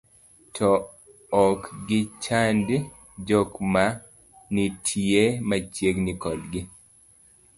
to ok gichand jok manitie machiegni kodgi